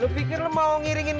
yang itu tuh yang chinese